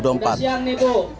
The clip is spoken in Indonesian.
sejauh ini bu